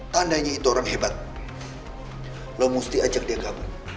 tandanya itu orang hebat lo mesti ajak dia kapan